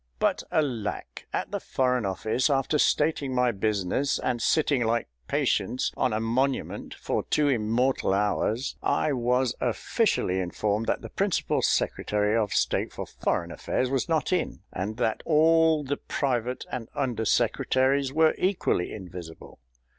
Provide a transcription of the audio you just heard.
But alack! at the Foreign Office, after stating my business and sitting like Patience on a Monument for two immortal hours, I was officially informed that the Principal Secretary of State for Foreign Affairs was not in, and that all the Private and Under Secretaries were equally invisible.